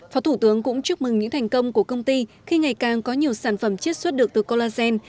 phó thủ tướng cũng chúc mừng những thành công của công ty khi ngày càng có nhiều sản phẩm chiết xuất được từ collagen